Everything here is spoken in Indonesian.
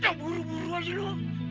jangan buru buru aja lo